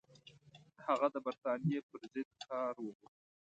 هغه د برټانیې پر ضد کار وغوښت.